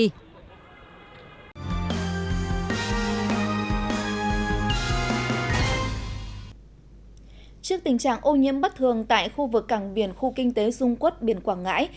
trước tình trạng ô nhiễm bất thường tại khu vực cảng biển khu kinh tế dung quốc biển quảng ngãi